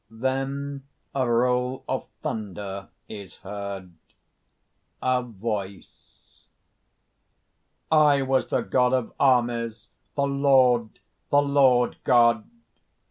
_ Then a roll of thunder is heard.) A VOICE: "I was the God of Armies, the Lord, the Lord God!